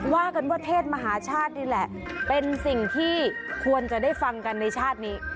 ว่ากันว่าเทศมหาชาตินี่แหละเป็นสิ่งที่ควรจะได้ฟังกันในชาตินี้